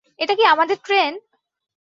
এটা কি আমাদের ট্রেন?